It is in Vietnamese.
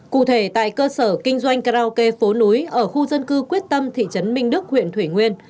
cụ thể tại cơ sở kinh doanh karaoke phố núi ở khu dân cư quyết tâm thị trấn minh đức huyện thủy nguyên